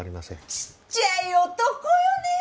ちっちゃい男よねえ！